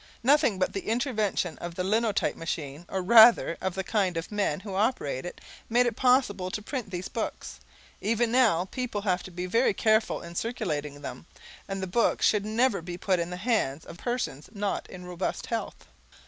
Nothing but the intervention of the linotype machine or rather, of the kind of men who operate it made it possible to print these books. Even now people have to be very careful in circulating them, and the books should never be put into the hands of persons not in robust health.